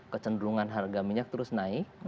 kecenderungan harga minyak terus naik